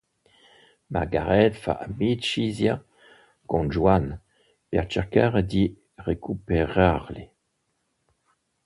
Margaret fa amicizia con Juan per cercare di recuperarli.